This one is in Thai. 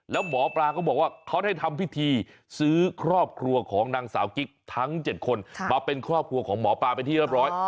แล้วหมอปลาก็บอกว่าเขาได้ทำพิธีซื้อครอบครัวของนางสาวกิ๊กทั้ง๗คนมาเป็นครอบครัวของหมอปลาเป็นที่เรียบร้อย